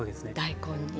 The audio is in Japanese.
大根に。